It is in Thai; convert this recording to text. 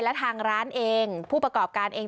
และทางร้านเองผู้ประกอบการเอง